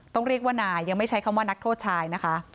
ต้องเรียกว่านายยังไม่ใช้คำว่านักโทษชายนะคะ